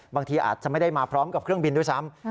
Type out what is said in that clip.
บางทีอาจจะไม่ได้มาพร้อมกับเครื่องบินด้วยซ้ำ